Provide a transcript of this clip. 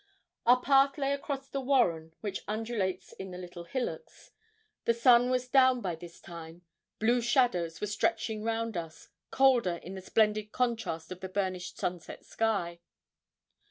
Our path lay across the warren, which undulates in little hillocks. The sun was down by this time, blue shadows were stretching round us, colder in the splendid contrast of the burnished sunset sky.